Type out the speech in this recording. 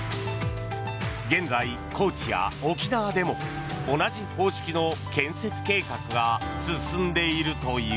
現在、高知や沖縄でも同じ方式の建設計画が進んでいるという。